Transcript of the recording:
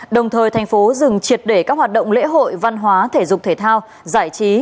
đồng thời tp dừng triệt để các hoạt động lễ hội văn hóa thể dục thể thao giải trí